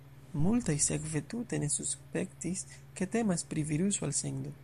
Multaj sekve tute ne suspektis, ke temas pri viruso-alsendo.